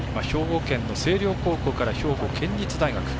兵庫県の星陵高校から兵庫県立大学。